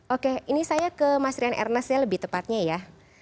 oke ini saya ke mas rian ernest ya lebih tepatnya ya